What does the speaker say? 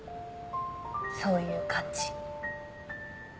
そういう感じ。